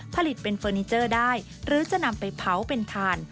ผลิตเป็นเฟอร์นิเจอร์ได้หรือจะนำไปเผาเป็นถ่าน